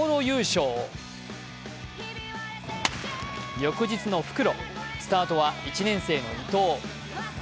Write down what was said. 翌日の復路スタートは１年生の伊藤。